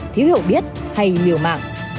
thiếu hiểu biết hay miều mạng